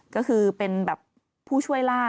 ก็คือเป็นแบบผู้ช่วยล่า